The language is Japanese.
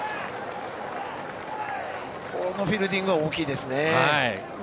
このフィールディングは大きいですね。